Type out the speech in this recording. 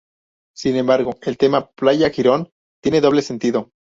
Sin embargo, el tema "Playa Girón" tiene doble sentido.